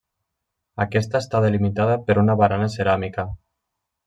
Aquesta està delimitada per una barana ceràmica.